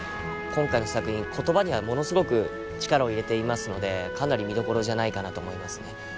今回の作品言葉にはものすごく力を入れていますのでかなり見どころじゃないかなと思いますね。